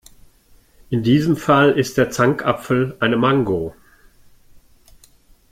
In diesem Fall ist der Zankapfel eine Mango.